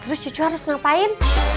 terus cucu harus ngapain